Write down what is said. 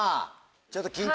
ちょっと。